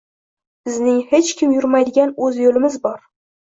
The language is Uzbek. Bizning hech kim yurmaydigan o'z yo'limiz bor!